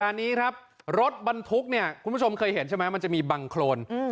อันนี้ครับรถบรรทุกเนี่ยคุณผู้ชมเคยเห็นใช่ไหมมันจะมีบังโครน